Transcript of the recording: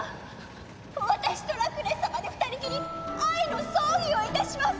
私とラクレス様で２人きり愛の葬儀をいたします！